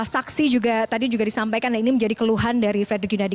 saksi juga tadi juga disampaikan ini menjadi keluhan dari frederick yunadi